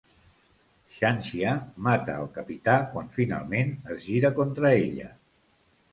Xanxia mata al Capità quan finalment es gira contra ella.